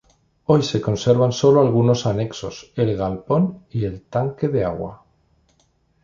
Hoy se conservan sólo algunos anexos, el galpón y el tanque de agua.